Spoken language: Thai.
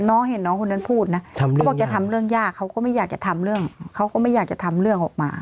น้องเห็นน้องคนนั้นพูดนะเขาบอกจะทำเรื่องยากเขาก็ไม่อยากจะทำเรื่องออกมา